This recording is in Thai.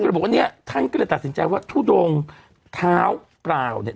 เลยบอกว่าเนี่ยท่านก็เลยตัดสินใจว่าทุดงเท้าเปล่าเนี่ย